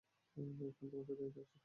এখন তোমার সাথে এটা হচ্ছে?